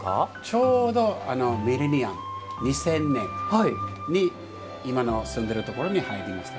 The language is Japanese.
ちょうどミレニアム２０００年に今の住んでるところに入りました。